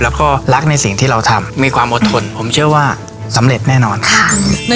แล้วก็รักในสิ่งที่เราทำมีความอดทนผมเชื่อว่าสำเร็จแน่นอนค่ะ